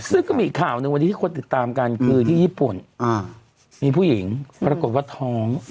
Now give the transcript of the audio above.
ซึ่งก็มีอีกข่าวหนึ่งวันนี้ที่คนติดตามกันคือที่ญี่ปุ่นมีผู้หญิงปรากฏว่าท้อง